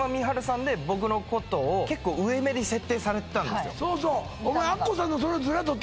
んで僕のことを結構上めに設定されてたんですよ